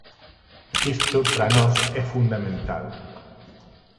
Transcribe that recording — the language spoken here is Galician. Isto para nós é fundamental.